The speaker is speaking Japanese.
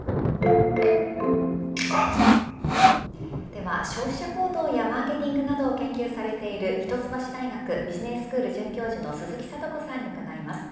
では消費者行動やマーケティングなどを研究されている一橋大学ビジネススクール准教授の鈴木智子さんに伺います。